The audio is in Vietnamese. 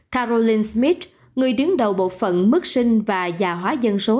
caroline smith người đứng đầu bộ phận mức sinh và già hóa dân số